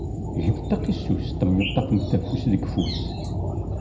Get taqisust temyuṭṭafem afus deg ufus.